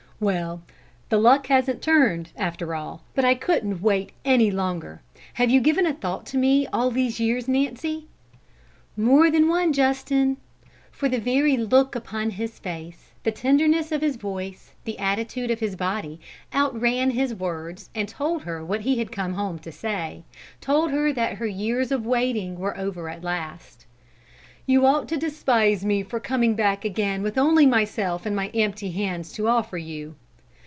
"Well, the luck hasn't turned, after all, but I couldn't wait any longer. Have you given a thought to me all these years, Nancy?" "More than one, Justin"; for the very look upon his face, the tenderness of his voice, the attitude of his body, outran his words and told her what he had come home to say, told her that her years of waiting were over at last. "You ought to despise me for coming back again with only myself and my empty hands to offer you."